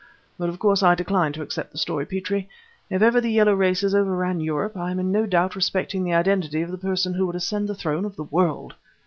But of course I decline to accept the story, Petrie! if ever the Yellow races overran Europe, I am in no doubt respecting the identity of the person who would ascend the throne of the world!"